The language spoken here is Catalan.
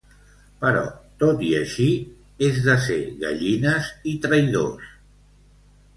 Però tot i així, és de ser gallines i traïdors.